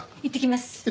いってきます。